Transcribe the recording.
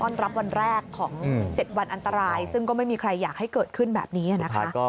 รับวันแรกของ๗วันอันตรายซึ่งก็ไม่มีใครอยากให้เกิดขึ้นแบบนี้นะคะ